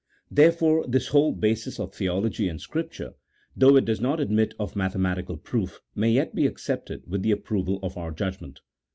Therefore this whole basis of theology and Scripture, though it does not admit of mathematical proof, may yet be accepted with the approval of our judgment.